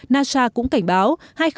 nasa cũng cảnh báo